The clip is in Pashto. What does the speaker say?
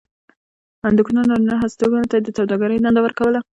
د کور نارینه هستوګنو ته یې د څوکېدارۍ دنده ورکوله.